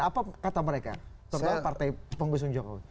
apa kata mereka tentang partai pengusung jokowi